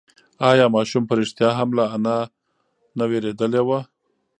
ایا ماشوم په رښتیا هم له انا نه وېرېدلی و؟